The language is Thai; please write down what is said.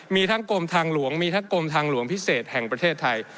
มีทั้งกรมทางหลวงมีทั้งกรมทางหลวงพิเศษแห่งประเทศไทย